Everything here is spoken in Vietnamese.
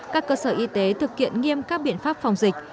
các cơ sở y tế thực hiện nghiêm các biện pháp phòng dịch